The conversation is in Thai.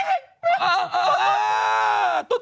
เออเออเออ